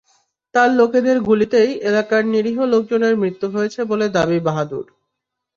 তাঁর লোকদের গুলিতেই এলাকার নিরীহ লোকজনের মৃত্যু হয়েছে বলে দাবি করেন বাহাদুর।